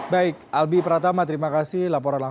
baik albi pratama terima kasih